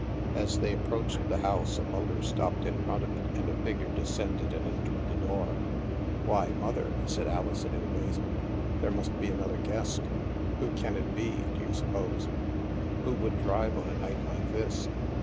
As they approached the house, a motor stopped in front of it, and a fig ure descended and entered the door. " Why, Mother," said Alison in amazement, " there must be another guest. Who can it be, do you suppose? Who would drive on a night like this?